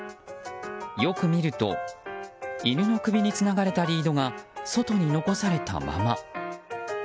よく見ると犬の首につながれたリードが外に残されたまま。